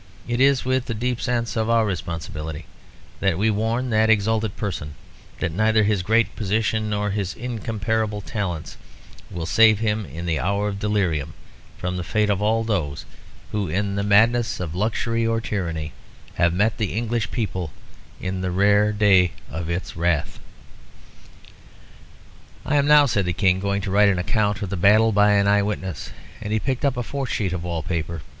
It is with a deep sense of our responsibility that we warn that exalted person that neither his great position nor his incomparable talents will save him in the hour of delirium from the fate of all those who, in the madness of luxury or tyranny, have met the English people in the rare day of its wrath." "I am now," said the King, "going to write an account of the battle by an eye witness." And he picked up a fourth sheet of wall paper.